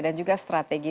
dan juga strategi